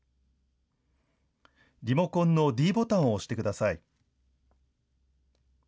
リモコンのｄボタンを押してください。